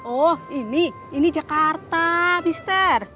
oh ini jakarta mister